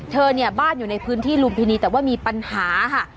เธอเนี่ยบ้านอยู่ในพื้นที่ลุมพินีแต่ว่ามีปัญหาค่ะ